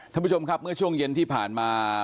ท่านผู้ชมครับเมื่อช่วงเย็นที่ผ่านมา